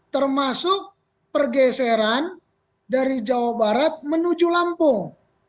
termasuk pergeseran dari jawa barat menuju lampung